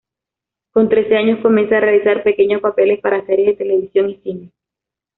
Con trece años comienza a realizar pequeños papeles para series de televisión y cine.